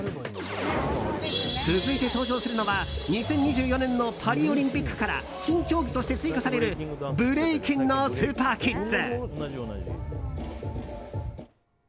続いて登場するのは２０２４年のパリオリンピックから新競技として追加されるブレイキンのス−パーキッズ。